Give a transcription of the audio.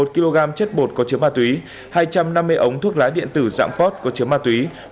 một kg chất bột có chứa ma túy hai trăm năm mươi ống thuốc lá điện tử dạng pot có chứa ma túy